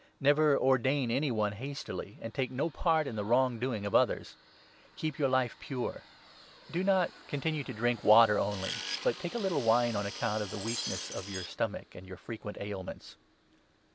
Never ordain any one hastily, 22 and take no part in the wrong doing of others. Keep your life pure. Do not continue to drink water only, but 23 take a little wine on account of the weakness of your stomach, and your frequent ailments.